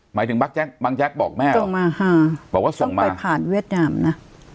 หมายถึงบางแจ๊กบอกแม่ส่งมาฮาบอกว่าส่งมาไปผ่านเวียดนามนะ